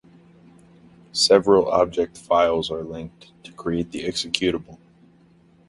Several object files are linked to create the executable.